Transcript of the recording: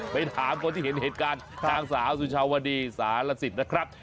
ไปถามคนที่เห็นเหตุการณ์นางสาวสุชาวดีสารสิทธิ์นะครับ